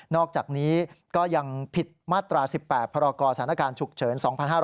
นอกจากนี้ก็ยังผิดมาตรา๑๘พกศฉุกเฉิน๒๕๔๘